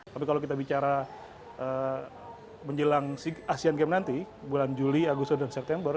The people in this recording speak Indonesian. tapi kalau kita bicara menjelang asean games nanti bulan juli agustus dan september